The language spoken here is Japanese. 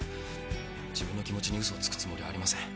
自分の気持ちに嘘をつくつもりはありません。